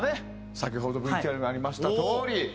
先ほどＶＴＲにもありましたとおり。